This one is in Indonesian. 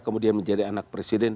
kemudian menjadi anak presiden